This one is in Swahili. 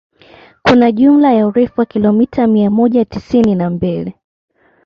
Kuna jumla ya urefu wa kilomita mia moja tisini na mbili